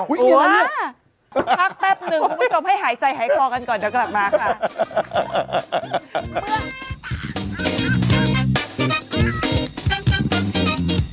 พักแป๊บนึงคุณผู้ชมให้หายใจหายคอกันก่อนเดี๋ยวกลับมาค่ะ